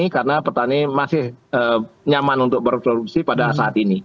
karena petani masih nyaman untuk berproduksi pada saat ini